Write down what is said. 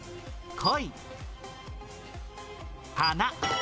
恋！